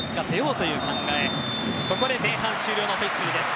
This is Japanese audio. ここで前半終了のホイッスル。